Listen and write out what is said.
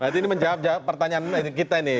berarti ini menjawab pertanyaan kita ini